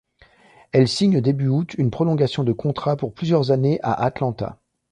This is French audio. Elle signe début août une prolongation de contrat pour plusieurs années à Atlanta.